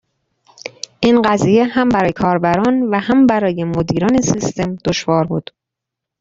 این قضیه هم برای کاربران و هم برای مدیران سیستم دشوار بود.